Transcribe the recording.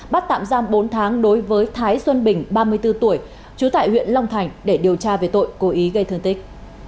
bắt tạm giam bốn tháng đối với thái xuân bình ba mươi bốn tuổi trú tại huyện long thành để điều tra về tội cố ý gây thương tích